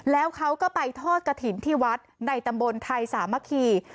แล้วเขาก็ไปทอดกระถิ่นที่วัดในตำบลไทยสามัคคี